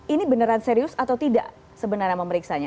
ini beneran serius atau tidak sebenarnya memeriksanya